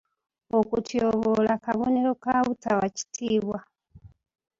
Okutyoboola kabonero ka butawa kitiibwa.